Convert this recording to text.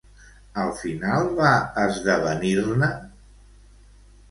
Al final va esdevenir-ne?